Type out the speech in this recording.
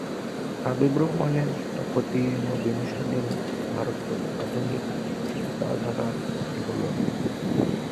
হাবিব রহমানের স্থপতি নবীন স্বাধীন ভারতের আধুনিক চিন্তাধারার প্রতিফলন।